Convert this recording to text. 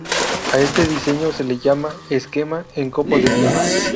A este diseño se le llama esquema en copo de nieve.